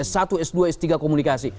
satu s dua s tiga komunikasi